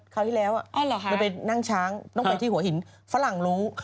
คราวที่แล้วเราไปนั่งช้างต้องไปที่หัวหินฝรั่งรู้